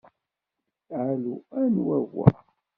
Alu, anwa wa?